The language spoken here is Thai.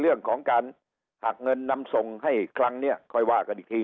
เรื่องของการหักเงินนำส่งให้ครั้งนี้ค่อยว่ากันอีกที